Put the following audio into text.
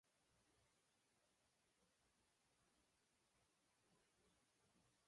The thick, main part of a tree is called the trunk.